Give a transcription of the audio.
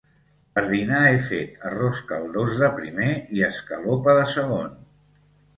Per dinar he fet arròs caldós de primer i escalopa de segon.